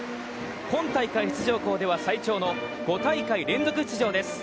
今大会出場校では最長の５大会連続出場です。